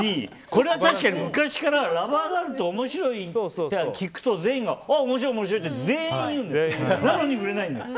これは確かに昔からラバーガールって面白い？って聞くと面白い、面白いって全員言うんだよ。